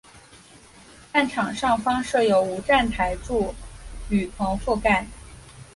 站场上方设有无站台柱雨棚覆盖。